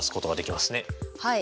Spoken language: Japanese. はい。